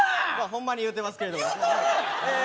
ホンマに言うてますけれども言うとるええ